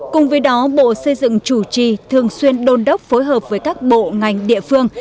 cùng với đó bộ xây dựng chủ trì thường xuyên đôn đốc phối hợp với các bộ ngành địa phương